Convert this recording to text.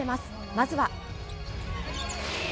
まずは。